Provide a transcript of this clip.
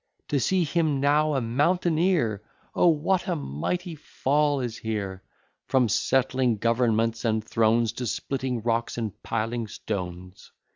To see him now a mountaineer! Oh! what a mighty fall is here! From settling governments and thrones, To splitting rocks, and piling stones.